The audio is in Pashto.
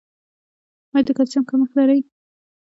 ایا د کلسیم کمښت لرئ؟